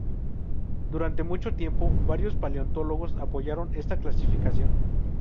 Durante mucho tiempo, varios paleontólogos apoyaron esta clasificación.